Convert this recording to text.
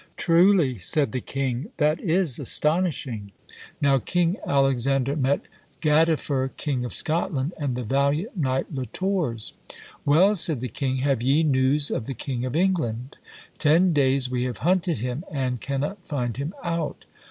Truly, said the king, that is astonishing! Now king Alexander met Gadiffer, king of Scotland, and the valiant knight Le Tors. Well, said the king, have ye news of the king of England? Ten days we have hunted him, and cannot find him out.